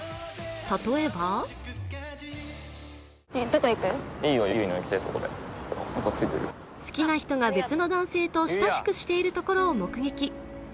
例えば好きな人が別の男性と親しくしているところを目撃。